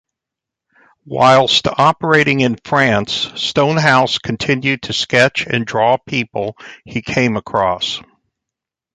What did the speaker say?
Whilst operating in France Stonehouse continued to sketch and draw people he came across.